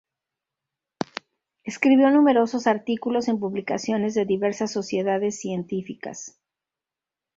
Escribió numerosos artículos en publicaciones de diversas sociedades científicas.